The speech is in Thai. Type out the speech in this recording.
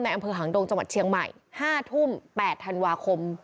แม่งอังเภอหางดงจังหวัดเชียงใหม่ห้าทุ่มแปดธันวาคม